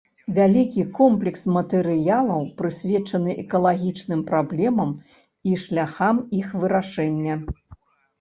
Вялікі комплекс матэрыялаў прысвечаны экалагічным праблемам і шляхам іх вырашэння.